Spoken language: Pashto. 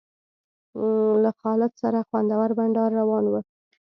له خالد سره خوندور بنډار روان و.